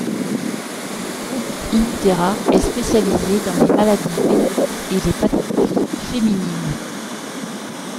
Le groupe Innothéra est spécialisé dans les maladies veineuses et les pathologies féminines.